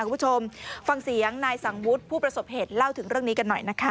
คุณผู้ชมฟังเสียงนายสังวุฒิผู้ประสบเหตุเล่าถึงเรื่องนี้กันหน่อยนะคะ